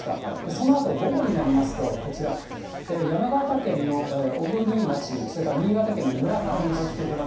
そのあと午後になりますと、こちら、山形県の小国町、それから新潟県の村上市。